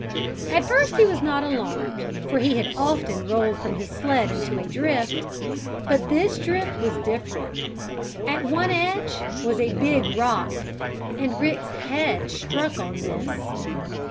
At first he was not alarmed, for he had often rolled from his sled into a drift. But this drift was different. At one edge was a big rock, and Rick's head struck on this.